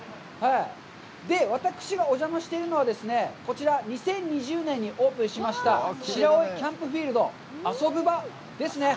で、私がお邪魔しているのは、こちら、２０２０年にオープンしました白老キャンプフィールドＡＳＯＢＵＢＡですね。